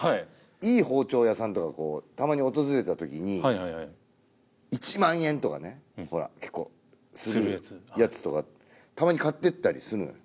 いい包丁屋さんとかこうたまに訪れた時にはいはいはい１００００円とかねほら結構するやつとかするやつたまに買ってったりするのよ